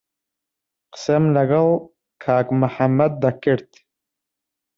قسەم لەگەڵ کاک محەممەد دەکرد.